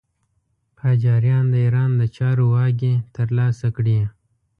قاجاریان د ایران د چارو واګې تر لاسه کړې.